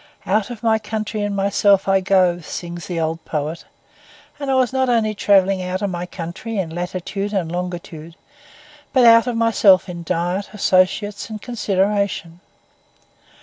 'Out of my country and myself I go,' sings the old poet: and I was not only travelling out of my country in latitude and longitude, but out of myself in diet, associates, and consideration.